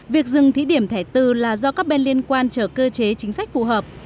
việc dừng thí điểm thẻ tử là do các bên liên quan trở cơ chế chính sách phù hợp